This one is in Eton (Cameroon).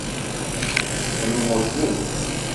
O ne mo djeue?